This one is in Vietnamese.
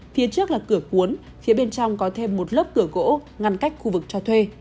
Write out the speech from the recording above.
phía trước là cửa cuốn phía bên trong có thêm một lớp cửa gỗ ngăn cách khu vực cho thuê